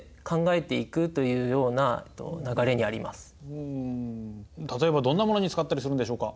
うん例えばどんなものに使ったりするんでしょうか？